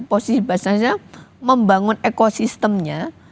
posisi basnasnya membangun ekosistemnya